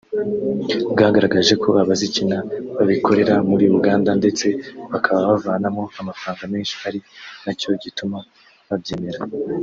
bwagaragaje ko abazikina babikorera muri Uganda ndetse bakaba bavanamo amafaranga menshi ari nacyo gituma babyemera